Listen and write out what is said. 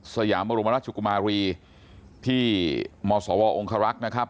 สญานบริมาณรัฐชุกุมารีที่มสวองคารักษ์